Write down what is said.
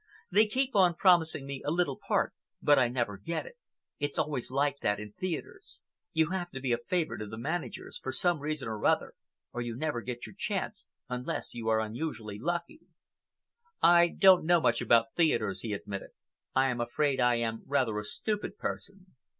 They keep on promising me a little part but I never get it. It's always like that in theatres. You have to be a favorite of the manager's, for some reason or other, or you never get your chance unless you are unusually lucky." "I don't know much about theatres," he admitted. "I am afraid I am rather a stupid person.